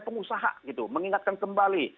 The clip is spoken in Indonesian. pengusaha gitu mengingatkan kembali